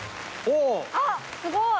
あっすごい。